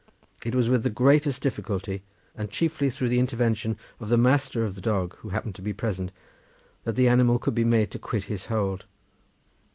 It was with the greatest difficulty, and chiefly through the intervention of the master of the dog, who happened to be present, that the animal could be made to quit his hold.